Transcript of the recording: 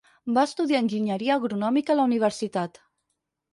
Va estudiar enginyeria agrònoma a la universitat.